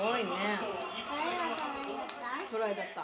誰がトライだった？